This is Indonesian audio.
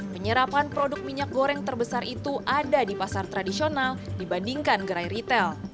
penyerapan produk minyak goreng terbesar itu ada di pasar tradisional dibandingkan gerai retail